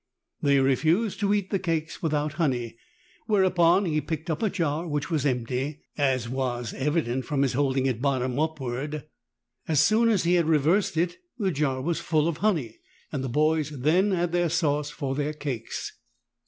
They refused to eat the cakes without honey, whereupon he picked up a jar which was empty, as was evi dent from his holding it bottom upward ; as soon as he had reversed it the jar was full of honey, and the boys then had the sauce for their cakes.